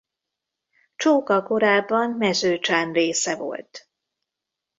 Csóka korábban Mezőcsán része volt.